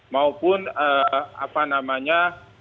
maupun apa namanya